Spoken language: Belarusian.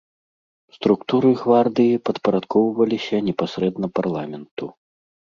Структуры гвардыі падпарадкоўваліся непасрэдна парламенту.